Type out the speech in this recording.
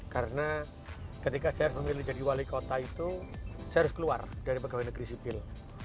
karena ketika saya memilih jadi wali kota itu saya harus keluar dari masyarakat